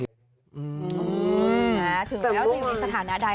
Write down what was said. อืมถึงแล้วจะยังมีสถานะใด